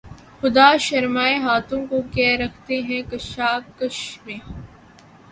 خدا شرمائے ہاتھوں کو کہ رکھتے ہیں کشاکش میں